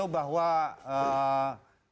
oke baik terakhir pak nusirwan